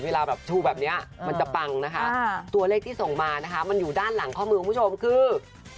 เวลาแบบชูแบบนี้มันจะปังนะคะตัวเลขที่ส่งมานะคะมันอยู่ด้านหลังข้อมือคุณผู้ชมคือ